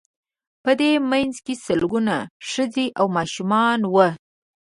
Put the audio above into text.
په دې منځ کې سلګونه ښځې او ماشومان وو.